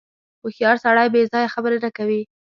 • هوښیار سړی بېځایه خبرې نه کوي.